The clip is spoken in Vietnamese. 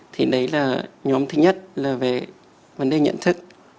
thì đấy là nhóm thứ nhất là về vấn đề nhận thức